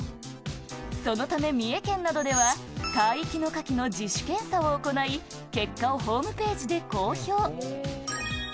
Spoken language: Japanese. そのため三重県などでは、海域のカキの自主検査を行い、結果をホームページで公表。